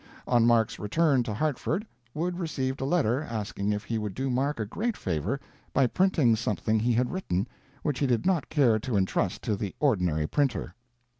On Mark's return to Hartford, Wood received a letter asking if he would do Mark a great favor by printing something he had written, which he did not care to entrust to the ordinary printer.